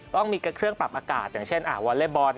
ต้องมีเครื่องปรับอากาศอย่างเช่นวอเล็กบอล